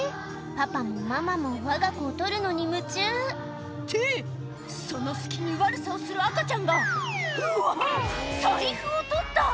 パパもママもわが子を撮るのに夢中ってその隙に悪さをする赤ちゃんがうわ財布を取った！